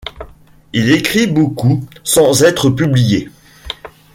Il écrit beaucoup sans être publié.